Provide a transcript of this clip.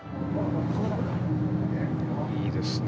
いいですね